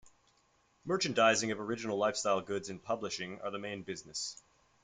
Merchandising of original lifestyle goods and publishing are the main business.